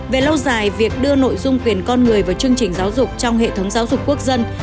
về lâu dài việc đưa nội dung quyền con người vào chương trình giáo dục trong hệ thống giáo dục quốc dân